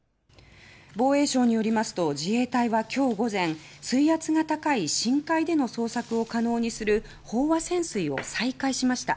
防衛省によりますと自衛隊は今日午前水圧が高い深海での捜索を可能にする飽和潜水を再開しました。